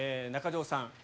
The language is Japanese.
中条さん